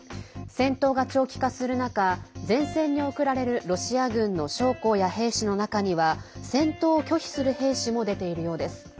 戦闘が長期化する中前線に送られるロシア軍の将校や兵士の中には戦闘を拒否する兵士も出ているようです。